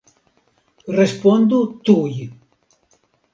Respondu tuj!